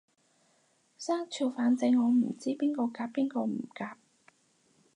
生肖反正我唔知邊個夾邊個唔夾